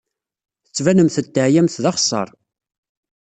Tettbanemt-d teɛyamt d axeṣṣar.